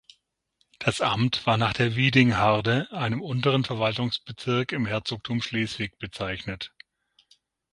Das Amt war nach der Wiedingharde, einem unteren Verwaltungsbezirk im Herzogtum Schleswig, bezeichnet.